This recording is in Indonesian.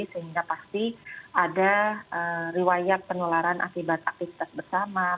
sehingga pasti ada riwayat penularan akibat aktivitas bersama